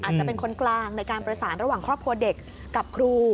อาจจะเป็นคนกลางในการประสานระหว่างครอบครัวเด็กกับครู